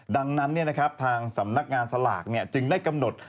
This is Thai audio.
ดังนั้นทางสำนักงานสลากจึงได้กำหนด